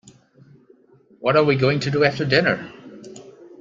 What are we going to do after dinner?